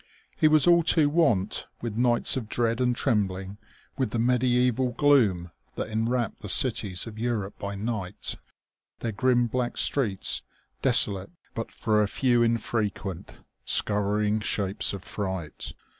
He was all too wont with nights of dread and trembling, with the mediaeval gloom that enwrapped the cities of Europe by night, their grim black streets desolate but for a few, infrequent, scurrying shapes of fright....